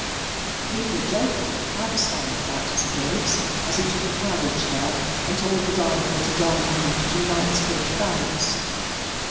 The people joked at the cab stand about his appearance, as he took a carriage there, and told the driver to drive him to Knightsbridge Barracks.